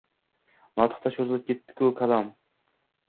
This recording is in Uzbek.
Notiqda cho‘zilib ketdi-ku kalom.